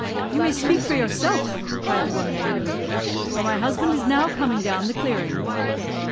"'You may speak for yourself!' cried the woman angrily, 'for my husband is now coming down the clearing.'